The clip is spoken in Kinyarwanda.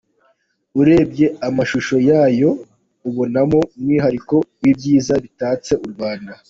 Urebye amashusho yayo, ubonamo umwihariko w’ibyiza bitatse u Rwanda.